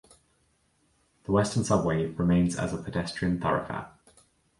The western subway remains as a pedestrian thoroughfare.